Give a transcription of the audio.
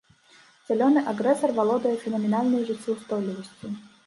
Зялёны агрэсар валодае фенаменальнай жыццеўстойлівасцю.